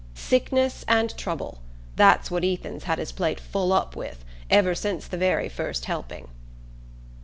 Sickness and trouble: that's what Ethan's had his plate full up with, ever since the very first helping."